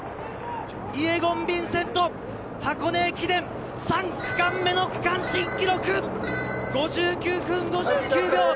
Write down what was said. イェゴン・ヴィンセント、箱根駅伝３区間目の新記録、５９分５９秒！